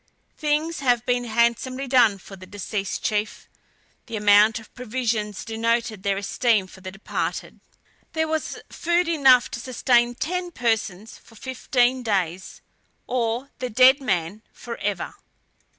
Things had been handsomely done for the deceased chief; the amount of provisions denoted their esteem for the departed. There was food enough to sustain ten persons for fifteen days, or the dead man forever.